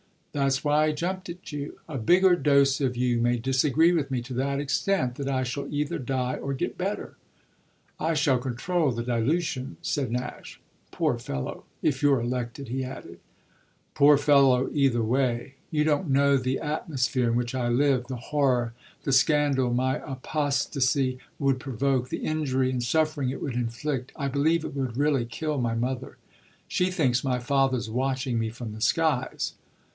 "That's why I jumped at you. A bigger dose of you may disagree with me to that extent that I shall either die or get better." "I shall control the dilution," said Nash. "Poor fellow if you're elected!" he added. "Poor fellow either way. You don't know the atmosphere in which I live, the horror, the scandal my apostasy would provoke, the injury and suffering it would inflict. I believe it would really kill my mother. She thinks my father's watching me from the skies."